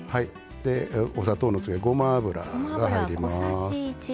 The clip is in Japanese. お砂糖の次はごま油が入ります。